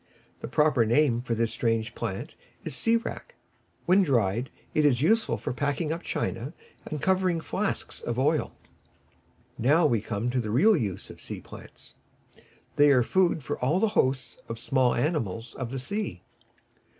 The proper name of this strange plant is Sea Wrack. When dried, it is useful for packing up china, and covering flasks of oil. Now we come to the real use of sea plants. They are food for all the hosts of small animals of the sea.